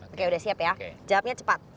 oke udah siap ya jawabnya cepat